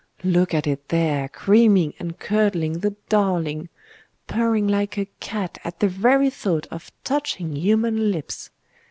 Look at it there, creaming and curdling, the darling! purring like a cat at the very thought of touching human lips!